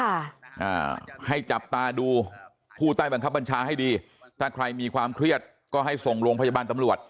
อ่าให้จับตาดูผู้ใต้บังคับบัญชาให้ดีถ้าใครมีความเครียดก็ให้ส่งโรงพยาบาลตำรวจ